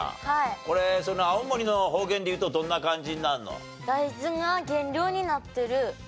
これ青森の方言で言うとどんな感じになるの？